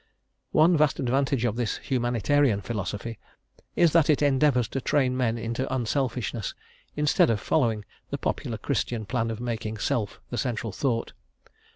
One vast advantage of this humanitarian philosophy is that it endeavours to train men into unselfishness, instead of following the popular Christian plan of making self the central thought.